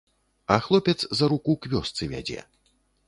А хлопец за руку к вёсцы вядзе.